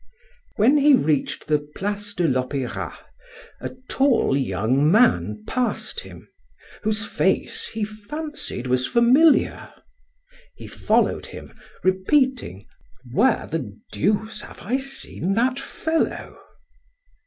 When he reached the Place de l'Opera, a tall, young man passed him, whose face he fancied was familiar. He followed him, repeating: "Where the deuce have I seen that fellow?"